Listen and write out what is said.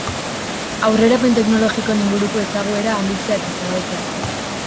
Aurrerapen teknologikoen inguruko ezaguera handitzea eta zabaltzea.